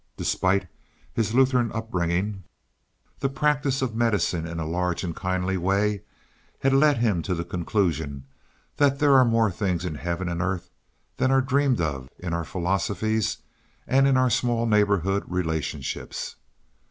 Despite his Lutheran upbringing, the practice of medicine in a large and kindly way had led him to the conclusion that there are more things in heaven and earth than are dreamed of in our philosophies and in our small neighborhood relationships.